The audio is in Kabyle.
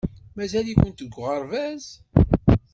Mazal-ikent deg uɣerbaz?